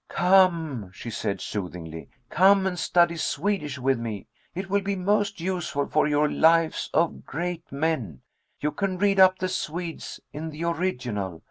"Come," she said soothingly, "come and study Swedish with me. It will be most useful for your Lives of Great Men. You can read up the Swedes in the original.